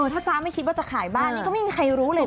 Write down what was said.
ถ้าจ๊ะไม่คิดว่าจะขายบ้านนี่ก็ไม่มีใครรู้เลยนะ